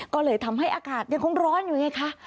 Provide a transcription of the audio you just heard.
ก็เลยทำให้อากาศยังคงร้อนอยู่ไงคะ